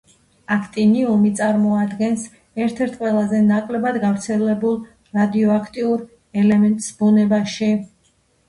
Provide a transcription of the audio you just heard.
აქტინიუმი წარმოადგენს ერთ ერთ ყველაზე ნაკლებად გავრცელებულ რადიოაქტიურ ელემენტს ბუნებაში.